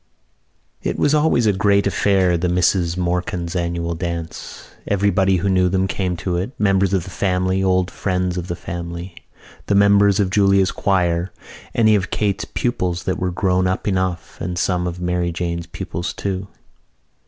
It was always a great affair, the Misses Morkan's annual dance. Everybody who knew them came to it, members of the family, old friends of the family, the members of Julia's choir, any of Kate's pupils that were grown up enough, and even some of Mary Jane's pupils too.